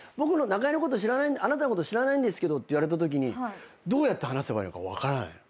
「あなたのこと知らないです」って言われたときにどうやって話せばいいのか分からない。